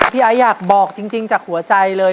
ไอ้อยากบอกจริงจากหัวใจเลย